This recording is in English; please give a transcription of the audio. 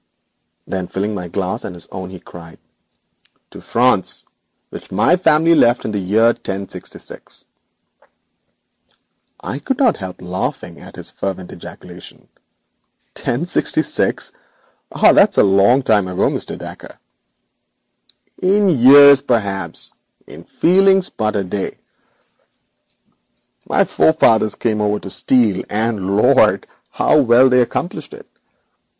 Then filling my glass and his own he cried: 'To France, which my family left in the year 1066!' I could not help laughing at his fervent ejaculation. '1066! With William the Conqueror! That is a long time ago, Mr. Dacre.' 'In years perhaps; in feelings but a day. My forefathers came over to steal, and, lord! how well they accomplished it.